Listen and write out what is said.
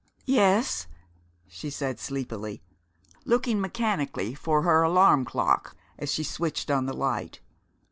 "Yes?" she said sleepily, looking mechanically for her alarm clock as she switched on the light.